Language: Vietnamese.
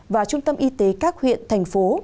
và trung tâm y tế các huyện thành phố